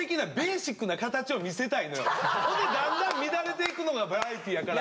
ほんでだんだん乱れていくのがバラエティーやから。